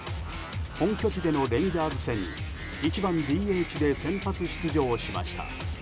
本拠地でのレンジャーズ戦１番ＤＨで先発出場しました。